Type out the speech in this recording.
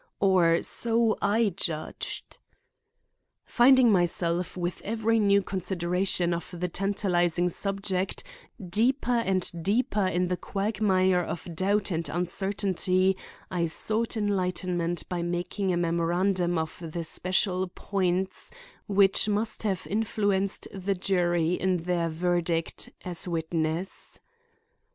Or so I judged. Finding myself, with every new consideration of the tantalizing subject, deeper and deeper in the quagmire of doubt and uncertainty, I sought enlightenment by making a memorandum of the special points which must have influenced the jury in their verdict, as witness: 1.